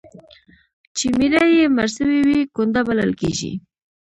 چي میړه یې مړ سوی وي، کونډه بلل کیږي.